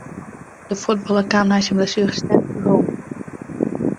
De fuotballer kaam nei syn blessuere sterk werom.